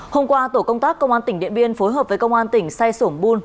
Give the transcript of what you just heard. hôm qua tổ công tác công an tỉnh điện biên phối hợp với công an tỉnh say sổng bun